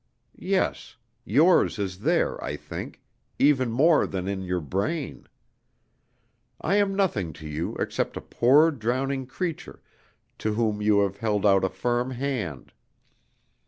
_ Yes, yours is there, I think, even more than in your brain. I am nothing to you except a poor drowning creature to whom you have held out a firm hand.